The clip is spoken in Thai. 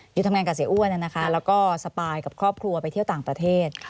ทำงานกับเสียอ้วนแล้วก็สปายกับครอบครัวไปเที่ยวต่างประเทศ